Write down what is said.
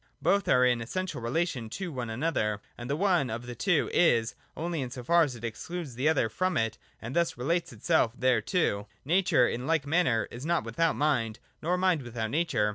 Both are in essential relation to one another ; and the one of the two is, only in so far as it excludes the other from it, and thus relates itself thereto. Nature in like manner is not without mind, nor mind without nature.